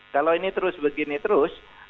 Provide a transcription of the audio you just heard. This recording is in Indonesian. kalau ini terus begini terus